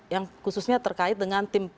yang khususnya terkait dengan tim